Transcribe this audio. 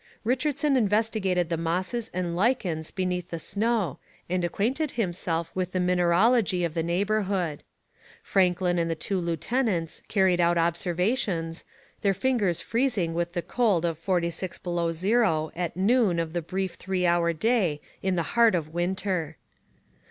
Richardson investigated the mosses and lichens beneath the snow and acquainted himself with the mineralogy of the neighbourhood. Franklin and the two lieutenants carried out observations, their fingers freezing with the cold of forty six below zero at noon of the brief three hour day in the heart of winter.